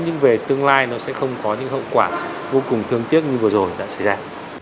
nhưng về tương lai nó sẽ không có những hậu quả vô cùng thương tiếc như vừa rồi đã xảy ra